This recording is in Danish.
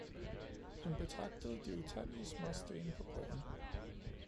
Hun betragtede de utallige småstene på bredden.